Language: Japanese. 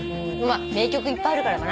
名曲いっぱいあるからかな。